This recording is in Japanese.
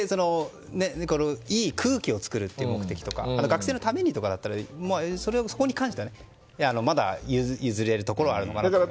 いい空気を作る目的とか学生のためにとかだったらそこに関してはまだ譲れるところはあるのかなと思います。